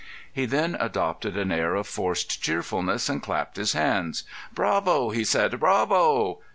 He then adopted an air of forced cheerfulness and clapped his hands. "Bravo!" he said. "Bravo!"